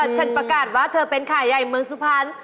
ฉันประกาศว่าเธอเป็นขาใหญ่เมืองสุพรรณ